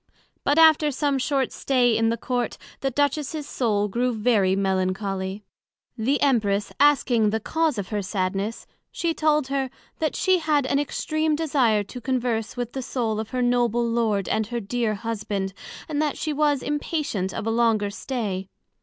But after some short stay in the Court, the Duchess's soul grew very Melancholy; the Empress asking the cause of her sadness? she told her, That she had an extreme desire to converse with the soul of her Noble Lord and dear Husband, and that she was inpatient of a longer stay.